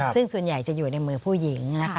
ซึ่งส่วนใหญ่จะอยู่ในมือผู้หญิงนะคะ